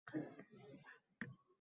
Surat, surat! Nega sen tilsiz?